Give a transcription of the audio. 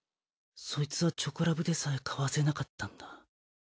ソイツはチョコラブでさえかわせなかったんだ。